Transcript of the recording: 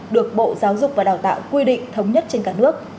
được bộ giáo dục và đào tạo quy định thống nhất trên cả nước